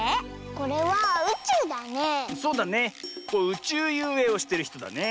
うちゅうゆうえいをしてるひとだね。